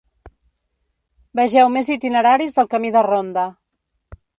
Vegeu més itineraris del camí de ronda.